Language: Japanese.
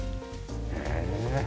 へえ。